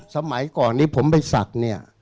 สมัยก่อนนี้ผมไปสักเนี่ย